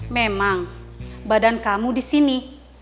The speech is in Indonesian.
memang badan kamu di sini